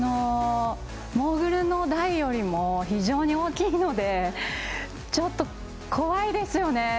モーグルの台よりも非常に大きいのでちょっと怖いですよね。